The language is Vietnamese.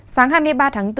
sáng hai mươi ba tháng bốn